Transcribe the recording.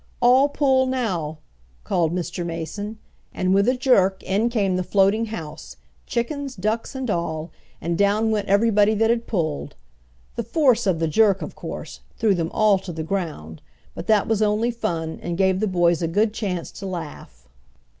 "All pull now!" called Mr. Mason, and with a jerk in came the floating house, chickens, ducks and all, and down went everybody that had pulled. The force of the jerk, of course, threw them all to the ground, but that was only fun and gave the boys a good chance to laugh.